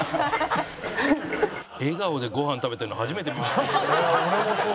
笑顔でご飯食べてるの初めて見ましたよ。